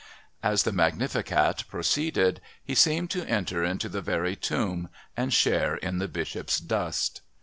As the "Magnificat" proceeded, he seemed to enter into the very tomb and share in the Bishop's dust.